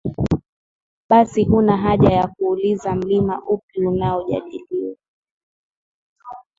basi huna haja ya kuuliza Mlima upi unaojadiliwa